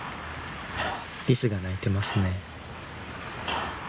リスが鳴いてますね。